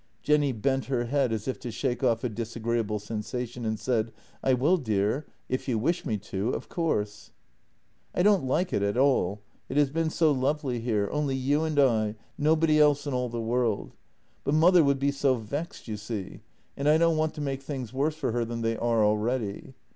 Jenny bent her head as if to shake off a disagreeable sensa tion, and said: " I will, dear, if you wish me to — of course." " I don't like it at all. It has been so lovely here — only you and I, nobody else in all the world. But mother would be so vexed, you see, and I don't want to make things worse for JENNY 109 her than they are already.